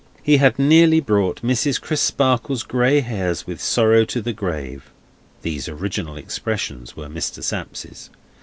He had nearly brought Mrs. Crisparkle's grey hairs with sorrow to the grave. (Those original expressions were Mr. Sapsea's.)